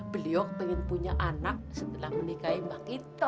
beliau pengen punya anak setelah menikahi mak itok